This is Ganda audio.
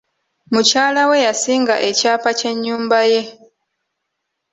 Mukyala we yasinga ekyapa ky'ennyumba ye.